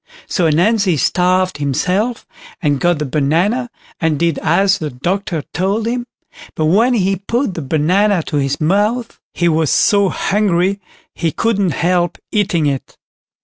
So Ananzi starved himself, and got the banana, and did as the doctor told him; but when he put the banana to his mouth, he was so hungry he couldn't help eating it.